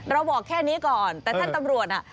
บอกแค่นี้ก่อนแต่ท่านตำรวจน่ะ